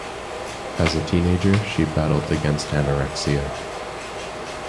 As a teenager she battled against anorexia.